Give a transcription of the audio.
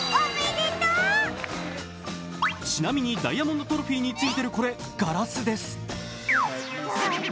ちなみにダイヤモンド・トロフィーに付いてるこれ、ガラスです。